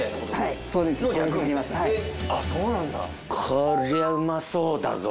こりゃうまそうだぞ！